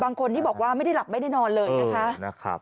คนที่บอกว่าไม่ได้หลับไม่ได้นอนเลยนะคะ